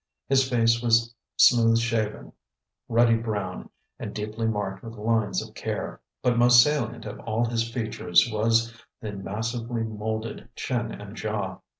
His face was smooth shaven, ruddy brown, and deeply marked with lines of care; but most salient of all his features was the massively molded chin and jaw.